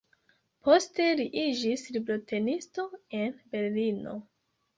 Poste li iĝis librotenisto en Berlino.